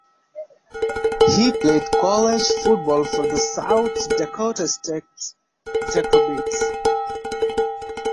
He played college football for the South Dakota State Jackrabbits.